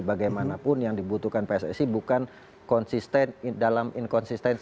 bagaimanapun yang dibutuhkan pssi bukan konsisten dalam inkonsistensi